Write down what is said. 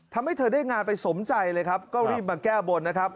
ทำให้เธอได้งานไปสมใจเลยครับก็รีบมาแก้บนนะครับ